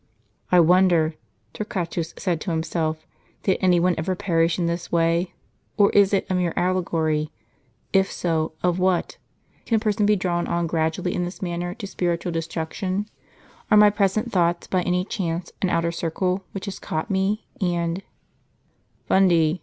" I wonder," Torquatus said to himself, " did any one ever perish in this way ? or is it a mere allegory ?— if so, of what ? Can a person be drawn cm gradually in this manner to spirit ual destruction ? are my present thoughts, by any chance, an outer circle, which has caught me, and "" Fundi